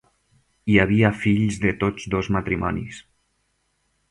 Hi havia fills de tots dos matrimonis.